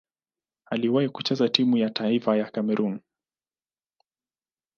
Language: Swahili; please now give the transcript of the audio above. Aliwahi kucheza timu ya taifa ya Kamerun.